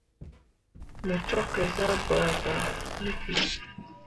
Mo cwakke zah ɓaa gah ne ki.